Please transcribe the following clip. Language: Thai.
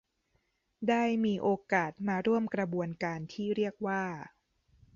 ได้มีโอกาสมาร่วมกระบวนการที่เรียกว่า